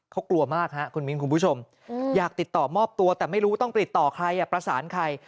เขากลัวมากฮะคุณมิ้นคุณผู้ชมอยากติดต่อมอบตัวแต่ไม่รู้ต้องติดต่อใครประสานใคร